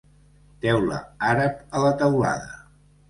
Teula àrab a la teulada.